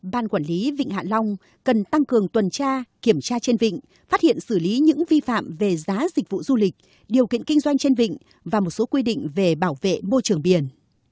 ban quản lý vịnh hạ long cần tăng cường tuần tra kiểm tra trên vịnh phát hiện xử lý những vi phạm về giá dịch vụ du lịch điều kiện kinh doanh trên vịnh và một số quy định về bảo vệ môi trường biển